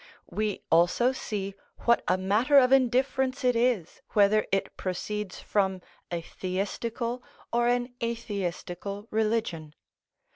We also see what a matter of indifference it is whether it proceeds from a theistical or an atheistical religion.